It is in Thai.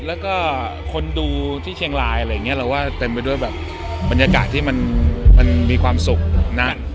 แล้วก็คนดูที่เชียงรายอะไรอย่างนี้เราก็เต็มไปด้วยแบบบรรยากาศที่มันมีความสุขนะ